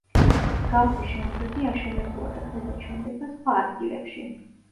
მსგავსი შენობები აშენებულა და დღესაც შენდება სხვა ადგილებში.